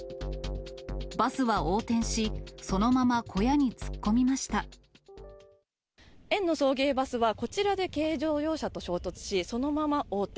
バスは横転し、そのまま小屋に突園の送迎バスは、こちらで軽乗用車と衝突し、そのまま横転。